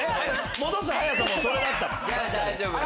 戻す速さもそれだった。